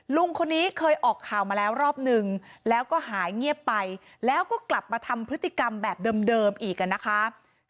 ลุงคนนี้เคยออกข่าวมาแล้วรอบนึงแล้วก็หายเงียบไปแล้วก็กลับมาทำพฤติกรรมแบบเดิมอีกนะคะ